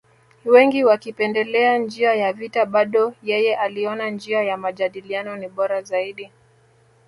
Wengi wakipendelea njia ya vita bado yeye aliona njia ya majadiliano ni bora zaidi